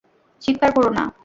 চিৎকার করো না।